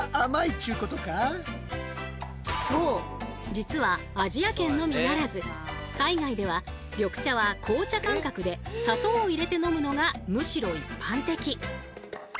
実はアジア圏のみならず海外では緑茶は「紅茶」感覚で砂糖を入れて飲むのがむしろ一般的。